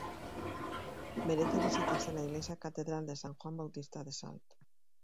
Merece visitarse la Iglesia Catedral de San Juan Bautista de Salto.